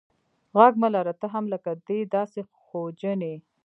ږغ مه لره ته هم لکه دی داسي خوجن یې.